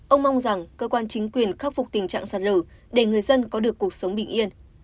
ông mong rằng cơ quan chính quyền khắc phục tình trạng sạt lở để người dân có được cuộc sống bình yên